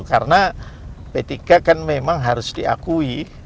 karena p tiga kan memang harus diakui